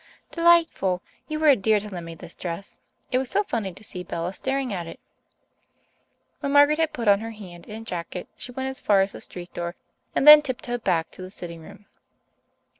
"Delightful. You were a dear to lend me this dress. It was so funny to see Bella staring at it." When Margaret had put on her hat and jacket she went as far as the street door, and then tiptoed back to the sitting room.